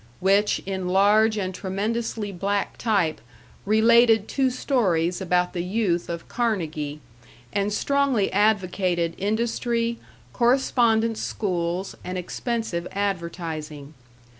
which, in large and tremendously black type, related two stories about the youth of Carnegie, and strongly advocated industry, correspondence schools, and expensive advertising.